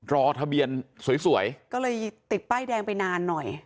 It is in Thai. รอทะเบียนสวยก็เลยติดป้ายแดงไปนานหน่อย